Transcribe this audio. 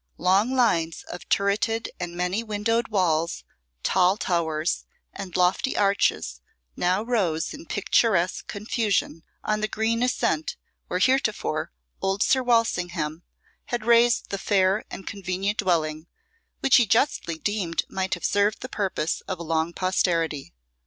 Long lines of turreted and many windowed walls, tall towers, and lofty arches, now rose in picturesque confusion on the green ascent where heretofore old Sir Walsingham had raised the fair and convenient dwelling, which he justly deemed might have served the purpose of a long posterity.